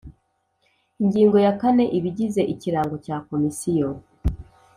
Ingingo ya kane Ibigize ikirango cya Komisiyo